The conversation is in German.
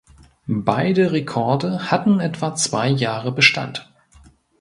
Beide Rekorde hatten etwa zwei Jahre Bestand.